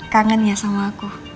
kangen ya sama aku